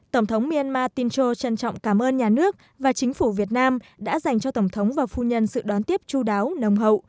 tổng thống myanmar tincho trân trọng cảm ơn nhà nước và chính phủ việt nam đã dành cho tổng thống và phu nhân sự đón tiếp chú đáo nồng hậu